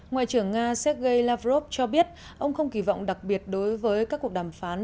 ngoại trưởng nga sergei lavrov cho biết ông không kỳ vọng đặc biệt đối với các cuộc đàm phán